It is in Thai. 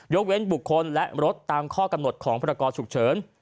เว้นบุคคลและรถตามข้อกำหนดของพรกรฉุกเฉิน